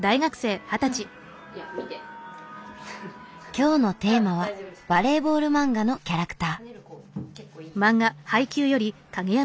今日のテーマはバレーボール漫画のキャラクター。